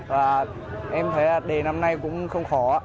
và em thấy là đề năm nay cũng không khó